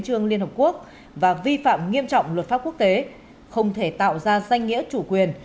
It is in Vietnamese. trương liên hợp quốc và vi phạm nghiêm trọng luật pháp quốc tế không thể tạo ra danh nghĩa chủ quyền